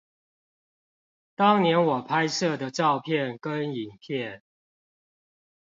當年我拍攝的照片跟影片